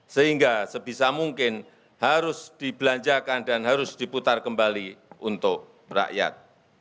sehingga sebisa mungkin harus dibelanjakan dan harus diputar kembali untuk rakyat